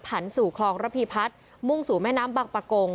ผันสู่ครองระพีพัดมุ่งสู่แม่น้ำบักปะกง